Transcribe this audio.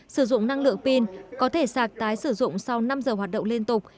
sử dụng năng lượng pin có thể sạc tái sử dụng sau năm giờ hoạt động liên tục